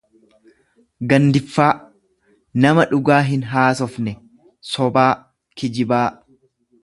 gandiffaa nama dhugaa hin haasofne, sobaa, kijibaa.